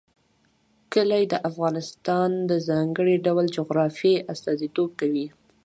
کلي د افغانستان د ځانګړي ډول جغرافیه استازیتوب کوي.